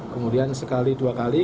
kemudian sekali dua kali